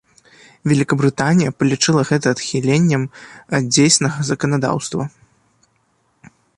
Вялікабрытанія палічыла гэта адхіленнем ад дзейснага заканадаўства.